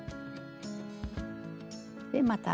でまた。